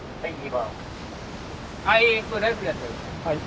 はい。